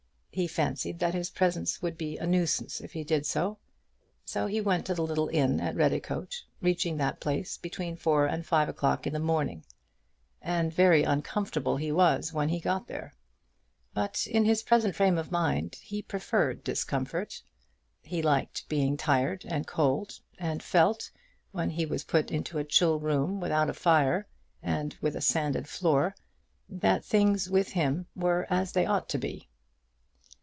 He fancied that his presence would be a nuisance if he did so. So he went to the little inn at Redicote, reaching that place between four and five o'clock in the morning; and very uncomfortable he was when he got there. But in his present frame of mind he preferred discomfort. He liked being tired and cold, and felt, when he was put into a chill room, without fire, and with a sanded floor, that things with him were as they ought to be.